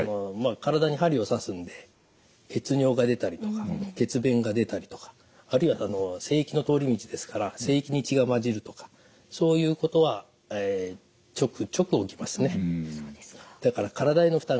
体に針を刺すんで血尿が出たりとか血便が出たりとかあるいは精液の通り道ですから精液に血が混じるとかそういうことはちょくちょく起きますね。